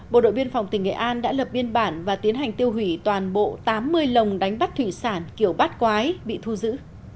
bộ đội biên phòng tỉnh nghệ an đã lập biên bản và tiến hành tiêu hủy toàn bộ tám mươi lồng đánh bắt thủy sản kiểu bát quái bị thu giữ